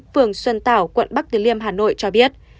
phường xuân tảo quận bắc từ liêm hà nội cho biết